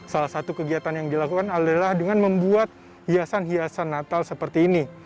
salah satu kegiatan yang dilakukan adalah dengan membuat hiasan hiasan natal seperti ini